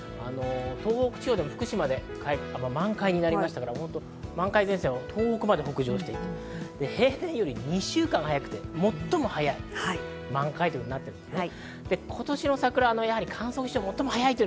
東北地方、福島でも満開になりましたから、満開前線は東北まで北上していて、平年よりも２週間早くて、最も早い満開となっていますね。